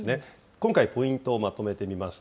今回、ポイントをまとめてみました。